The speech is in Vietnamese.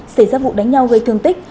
xảy ra vụ đánh nhau gây thương tích